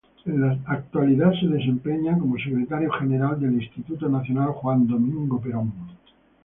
En la actualidad, se desempeña como Secretario General del Instituto Nacional Juan Domingo Perón.